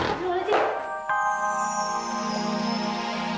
aku mau kasih pisan